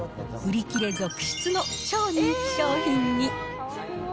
売り切れ続出の超人気商品に。